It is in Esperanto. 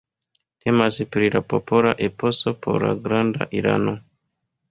Temas pri la popola eposo por la Granda Irano.